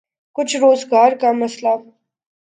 کچھ روزگار کا مسئلہ۔